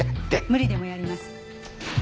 無理でもやります。